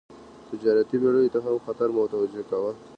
تجارتي بېړیو ته هم خطر متوجه کاوه.